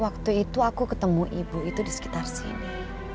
waktu itu aku ketemu ibu itu di sekitar sini